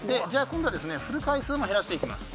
今度は、振る回数も減らしていきます。